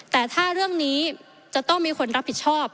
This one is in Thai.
แต่ถ้าเรื่องนี้จะต้องมีคนรับผิดชอบ